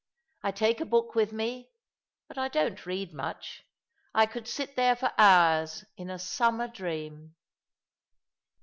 I take a book with me; but I don't read much. I could sit there for hours in a summer dream."